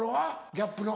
ギャップの。